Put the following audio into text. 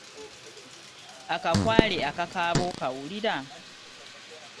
Akakwale akakaaba okawulira?